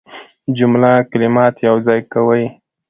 جمله کلمات یوځای کوي.